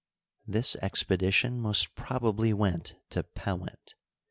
This expedition most probably went to Pewent.